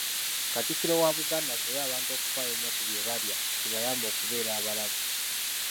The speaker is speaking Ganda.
Katikkiro wa Buganda, asabye abantu okufaayo ennyo ku bye balya kibayambe okubeera abalamu.